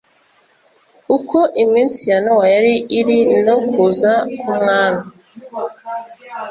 “Uko iminsi ya Nowa yari iri, no kuza k’Umwana